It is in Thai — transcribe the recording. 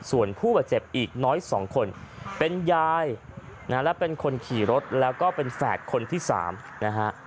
ส่วนผู้บาดเจ็บอีกน้อย๒คนเป็นยายนะฮะและเป็นคนขี่รถแล้วก็เป็นแฝดคนที่๓นะฮะ